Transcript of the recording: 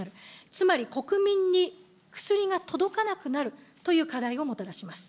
つまり国民に薬が届かなくなるという課題をもたらします。